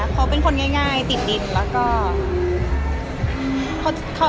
เขาเป็นคนง่ายติดดินแล้วก็